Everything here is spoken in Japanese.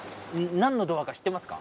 何のドアか知ってますか？